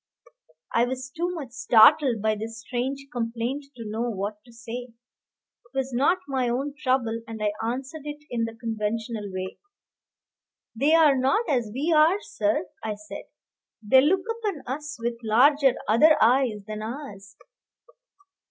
I was too much startled by this strange complaint to know what to say. It was not my own trouble, and I answered it in the conventional way. "They are not as we are, sir," I said; "they look upon us with larger, other eyes than ours."